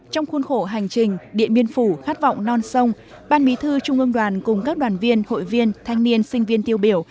trong khuôn khổ hành trình điện biên phủ khát vọng non sông ban bí thư trung ương đoàn cùng các đoàn viên hội viên thanh niên sinh viên tiêu biểu